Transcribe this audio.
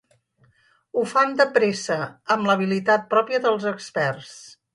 Ho fan de pressa, amb l'habilitat pròpia dels experts.